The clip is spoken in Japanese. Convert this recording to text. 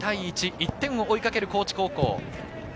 １点を追いかける高知高校。